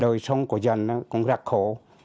đời sống của dân cũng rắc khổ